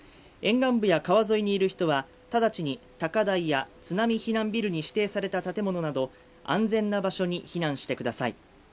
沿岸部や川沿いにいる人は直ちに高台や津波避難ビルに指定された建物など安全な場所に避難してください。